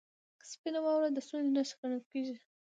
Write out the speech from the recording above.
• سپینه واوره د سولې نښه ګڼل کېږي.